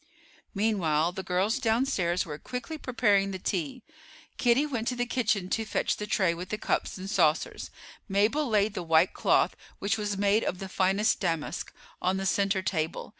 Meanwhile the girls downstairs were quickly preparing the tea. Kitty went to the kitchen to fetch the tray with the cups and saucers; Mabel laid the white cloth, which was made of the finest damask, on the center table.